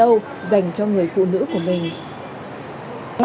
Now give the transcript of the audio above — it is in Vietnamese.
dành cho người phụ nữ của mình